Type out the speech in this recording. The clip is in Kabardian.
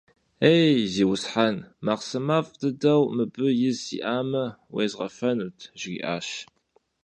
Ей, зиусхьэн, махъсымэфӀ дыдэу мыбы из сиӀамэ, уезгъэфэнут, - жриӀащ.